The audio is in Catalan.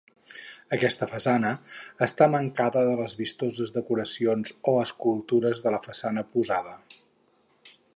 Aquesta façana està mancada de les vistoses decoracions o escultures de la façana oposada.